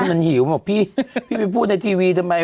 พี่มันหิวพี่ไปพูดในทีวีทำไม